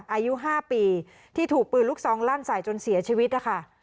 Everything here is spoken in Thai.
อายุ๕ปีที่ถูกปืนลูกซองลั่นใส่จนเสียชีวิตนะคะ